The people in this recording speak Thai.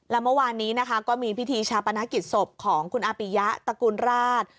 และเมื่อวานนี้นะคะก็มีพิธีชาปนกิจศพของคุณอาปิยะตระกูลราช